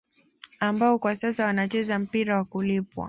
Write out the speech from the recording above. Ambao kwa sasa wanacheza mpira wa kulipwa